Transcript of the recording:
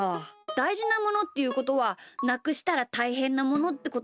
だいじなものっていうことはなくしたらたいへんなものってことだよな。